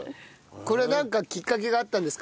これなんかきっかけがあったんですか？